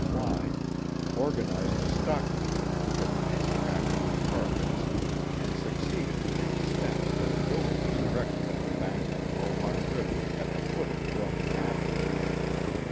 Kline, organized a stock company for the manu facture of carpets, and succeeded to the extent that a building was erected on the bank of the Mohawk River at the foot of Vrooman Avenue.